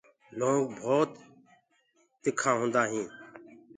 لونٚگ تمآم ڪڙوآ هوندآ هينٚ